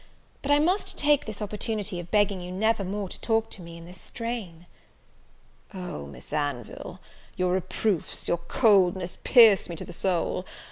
But I must take this opportunity of begging you never more to talk to me in this strain." "Oh, Miss Anville, your reproofs, your coldness, pierce me to the soul!